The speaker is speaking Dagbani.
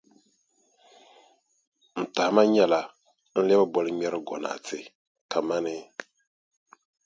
N tahima nyɛla n lɛbi bolŋmɛrʼ gonaate kamani.